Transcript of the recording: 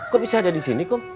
kok bisa ada di sini kok